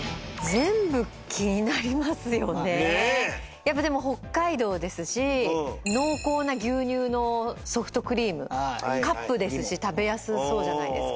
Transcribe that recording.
やっぱでも北海道ですし濃厚な牛乳のソフトクリームカップですし食べやすそうじゃないですか。